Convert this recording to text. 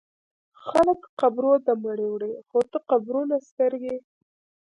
خلک قبرو ته مړي وړي خو ته قبرونه سترګې